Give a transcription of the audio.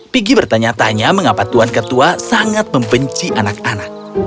piggy bertanya tanya mengapa tuhan ketua sangat membenci anak anak